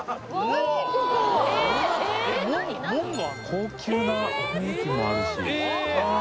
高級な雰囲気もあるしああ